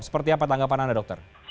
seperti apa tanggapan anda dokter